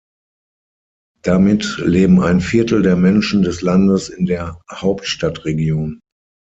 Damit leben ein Viertel der Menschen des Landes in der Hauptstadtregion.